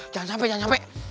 jangan sampai jangan sampai